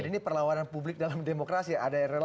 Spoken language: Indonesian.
jadi ini perlawanan publik dalam demokrasi ada yang berkata